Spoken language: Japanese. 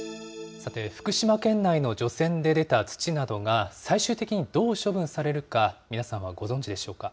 さて、福島県内の除染で出た土などが最終的にどう処分されるか、皆さんはご存じでしょうか。